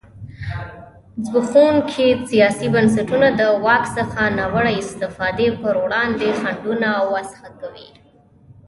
زبېښونکي سیاسي بنسټونه د واک څخه ناوړه استفادې پر وړاندې خنډونه نه وضعه کوي.